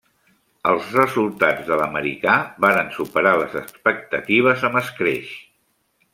Els resultats de l'americà varen superar les expectatives amb escreix.